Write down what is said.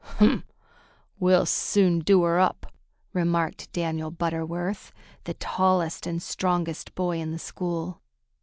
"H'm! We'll soon do her up!" remarked Daniel Butterworth, the tallest and strongest boy in the school.